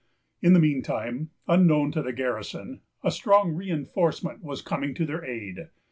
In the mean time, unknown to the garrison, a strong re enforcement was coming to their aid.